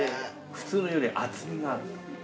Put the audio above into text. ◆普通のより、厚みのある。